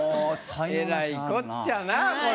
えらいこっちゃなこれ。